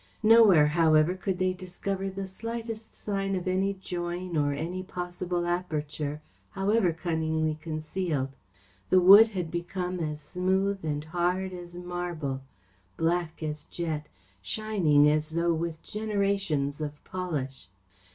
Nowhere, however, could they discover the slightest sign of any join or any possible aperture, however cunningly concealed. The wood had become as smooth and hard as marble, black as jet, shining as though with generations of polish.